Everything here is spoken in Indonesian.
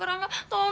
bukan masalah kecil